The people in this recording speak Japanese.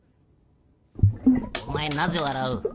お前なぜ笑う？